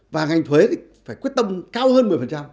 và ngành thuế thì phải quyết tâm cao hơn một mươi